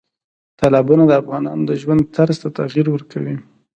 تالابونه د افغانانو د ژوند طرز ته تغیر ورکوي.